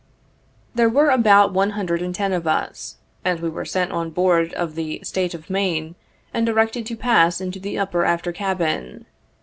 There were about one hundred and ten of us, and we were sent on board of the "State of Maine," and directed to pass into the upper after cabin.